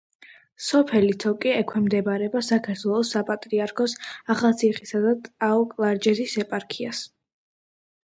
სოფელი თოკი ექვემდებარება საქართველოს საპატრიარქოს ახალციხისა და ტაო-კლარჯეთის ეპარქიას.